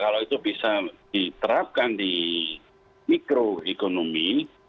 kalau itu bisa diterapkan di mikroekonomi